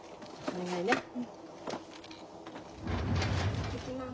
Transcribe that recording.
行ってきます。